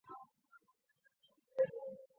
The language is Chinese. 贯索四是位于北冕座的双星系统。